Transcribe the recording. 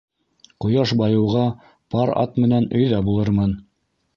Ҡояш байыуға пар ат менән өйҙә булырмын.